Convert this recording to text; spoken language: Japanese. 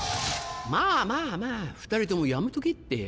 まぁまぁまぁ２人ともやめとけって。